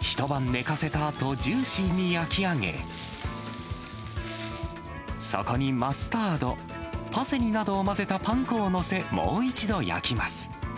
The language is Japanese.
一晩寝かせたあと、ジューシーに焼き上げ、そこにマスタード、パセリなどを混ぜたパン粉を載せ、もう一度焼きます。